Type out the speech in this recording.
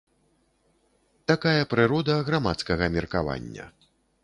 Такая прырода грамадскага меркавання.